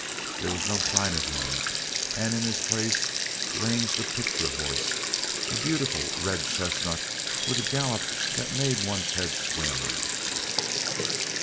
There was no sign of him, and in his place ranged a picture horse a beautiful red chestnut with a gallop that made one's head swim.